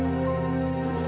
mama gak mau berhenti